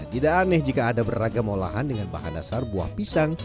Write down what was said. tidak aneh jika ada beragam olahan dengan bahan dasar buah pisang